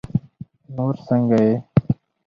نور سنګه یی